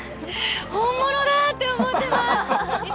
本物だって思ってます。